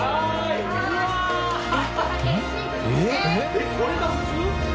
えっこれが普通？